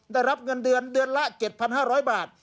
ได้รับเงินเดือนเดือนละ๗๕๐๐บาท